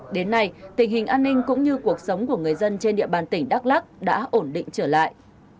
đến nay tình hình an ninh cũng như cuộc sống của người dân trên địa bàn tỉnh đắk lắc đã ổn định trở lại